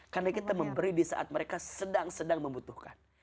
karena kita memberi di saat mereka sedang sedang membutuhkan